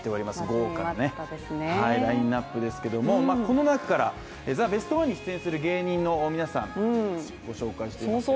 豪華ラインナップですけども、この中から「ザ・ベストワン」に出演する芸人の皆さんをご紹介していますが。